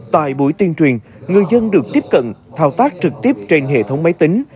tại buổi tuyên truyền người dân được tiếp cận thao tác trực tiếp trên hệ thống máy tính